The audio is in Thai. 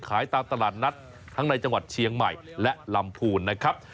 ขายตามตลาดนัดทั้งในจังหวัดเชียงใหม่และลำพูนนะครับ